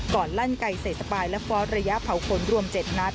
ก่อนลั่นไก่ใส่สบายและฟอสระยะเผาคนรวม๗นัท